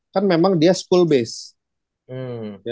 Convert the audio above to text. kan memang dia school base